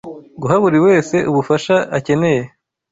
guha buri wese ubufasha akeneye